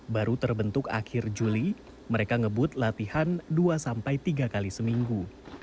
baru terbentuk akhir juli mereka ngebut latihan dua tiga kali seminggu